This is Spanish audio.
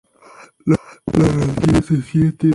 La razón: se sienten perseguidos por sus creencias cristianas.